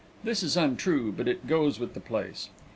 This is untrue, but it goes with the place.